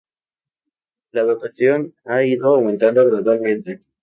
La dotación ha ido aumentando gradualmente.